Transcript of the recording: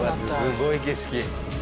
すごい景色。